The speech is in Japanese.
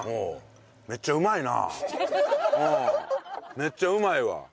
めっちゃうまいわ。